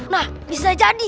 nah bisa jadi